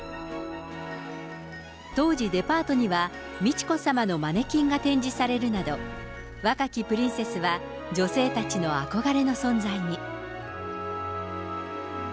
当時、デパートには、美智子さまのマネキンが展示されるなど、若きプリンセスは女性たちの憧れの存在に。